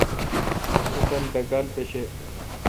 تو تان بیکال پیشہ۔